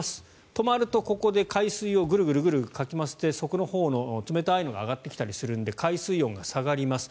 止まるとここで海水をぐるぐるかき回して底のほうの冷たいのが上がってきたりするので海水温が下がります。